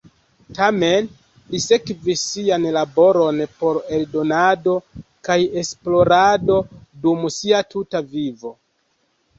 Tamen li sekvis sian laboron por eldonado kaj esplorado dum sia tuta vivo.